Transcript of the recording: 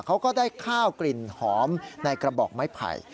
เขาก็ได้ข้าวกลิ่นหอมในกระบอกไม้ไผ่